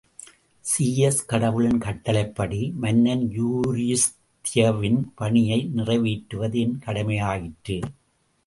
Zeus கடவுளின் கட்டளைப்படி மன்னன் யூரிஸ்தியவின் பணியை நிறைவேற்றுவது என் கடமையாயிற்று.